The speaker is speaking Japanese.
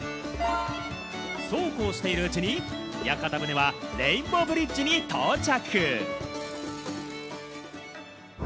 そうこうしているうちに屋形船はレインボーブリッジに到着。